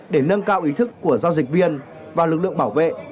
để nâng cao ý thức của giao dịch viên và lực lượng bảo vệ